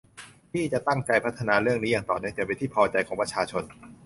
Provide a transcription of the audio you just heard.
ที่จะตั้งใจพัฒนาเรื่องนี้อย่างต่อเนื่องจนเป็นที่พอใจของประชาชน